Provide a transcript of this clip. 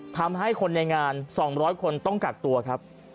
ทำให้คนในงาน๒๐๐คนต้องกักตัวครับ